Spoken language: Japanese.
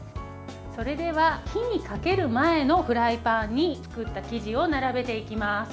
それでは火にかける前のフライパンに作った生地を並べていきます。